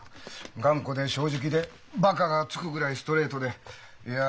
頑固で正直でバカがつくぐらいストレートでいや